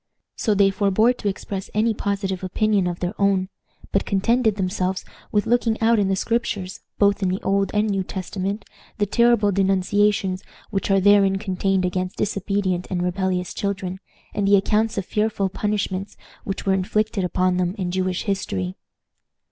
So they forbore to express any positive opinion of their own, but contented themselves with looking out in the Scriptures, both in the Old and New Testament, the terrible denunciations which are therein contained against disobedient and rebellious children, and the accounts of fearful punishments which were inflicted upon them in Jewish history.